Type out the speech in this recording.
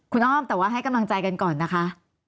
คุณอ้อมแต่ว่าให้กำลังใจกันก่อนนะคะ